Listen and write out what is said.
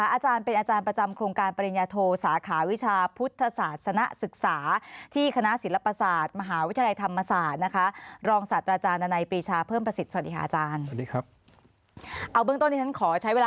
อาจารย์เป็นอาจารย์ประจำโครงการปริญญาโทสาขาวิชา